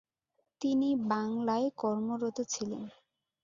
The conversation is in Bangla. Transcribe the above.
তিনি বাংলায় কর্মরত ছিলেন।